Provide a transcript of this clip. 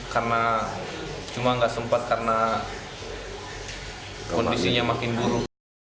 karena cuma gak sempat karena kondisinya makin buruk